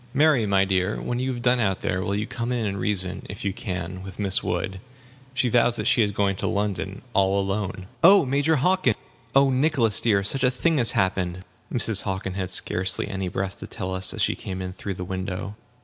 "Mary, my dear, when you have done out there, will you come in and reason if you can with Miss Wood. She vows that she is going to London, all alone." "Oh, Major Hockin oh, Nicholas dear, such a thing has happened!" Mrs. Hockin had scarcely any breath to tell us, as she came in through the window.